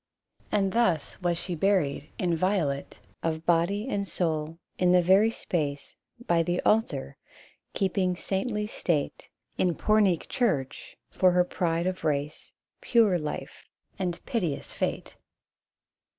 And thus was she buried, inviolate Of body and soul, in the very space By the altar ; keeping saintly state In Pornic church, for her pride of race, Pure life and piteous fate.